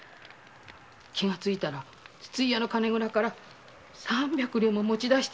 気がついたら筒井屋の蔵から三百両も持ち出してた。